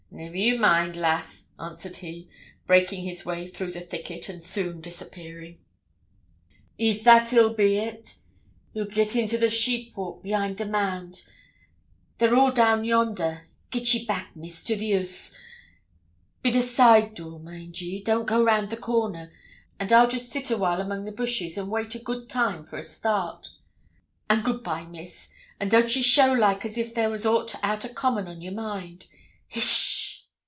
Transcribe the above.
'Never ye mind, lass,' answered he, breaking his way through the thicket, and soon disappearing. 'E'es that 'ill be it he'll git into the sheepwalk behind the mound. They're all down yonder; git ye back, Miss, to the hoose be the side door; mind ye, don't go round the corner; and I'll jest sit awhile among the bushes, and wait a good time for a start. And good bye, Miss; and don't ye show like as if there was aught out o' common on your mind. Hish!'